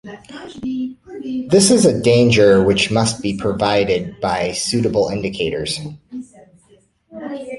This is a danger which must be provided for by suitable indicators.